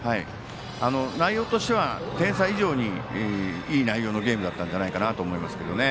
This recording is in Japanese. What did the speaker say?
内容としては点差以上にいい内容のゲームだったんじゃないかなと思います。